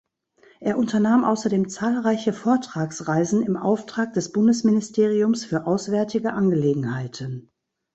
Er unternahm außerdem zahlreiche Vortragsreisen im Auftrag des Bundesministeriums für Auswärtige Angelegenheiten.